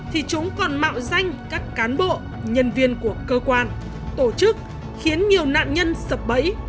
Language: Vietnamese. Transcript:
thì chúng còn mạo danh các cán bộ nhân viên của cơ quan tổ chức khiến nhiều nạn nhân sập bẫy